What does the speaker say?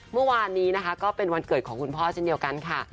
เมื่อวานนี้นะคะก็เป็นวันเกิดของคุณพ่อเช่นเดียวกันค่ะ